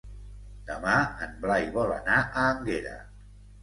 Demà en Blai vol anar a Énguera.